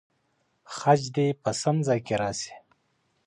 خج دې په سم ځای کې راسي.